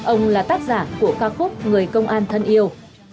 ông là tác giả của ca khúc người công an thân yêu